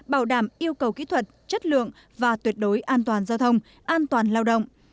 bảo đảm yêu cầu kỹ thuật chất lượng và tuyệt đối an toàn giao thông an toàn lao động